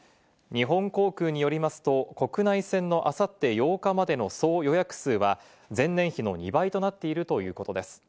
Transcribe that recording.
日本航空によりますと国内線の明後日８日までの総予約数は前年比の２倍となっているということです。